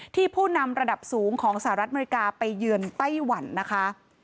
ผู้นำระดับสูงของสหรัฐอเมริกาไปเยือนไต้หวันนะคะ